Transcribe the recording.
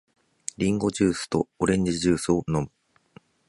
リンゴジュースとオレンジジュースを飲む。